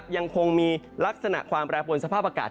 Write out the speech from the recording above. ยังคงมีลักษณะความแปรปวนสภาพอากาศ